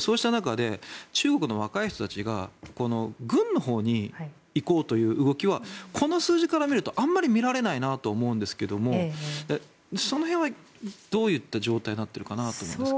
そうした中で中国の若い人たちが軍のほうに行こうという動きはこの数字から見るとあまり見られないなと思うんですがその辺はどういった状態になっているのかなと思うんですが。